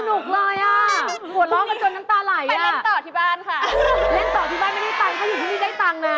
เล่นต่อที่บ้านไม่ได้ตังค่ะเขาอยู่ที่นี่ได้ตังนะ